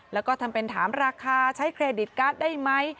แล้วก็ทำเป็นถามราคาใช้เครดิตการ์ดได้ไหม